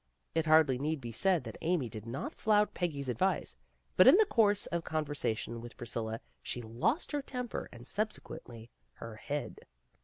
It hardly need be said that Amy did not flout Peggy 's advice, but in the course of a con versation with Priscilla she lost her temper and subsequently her head.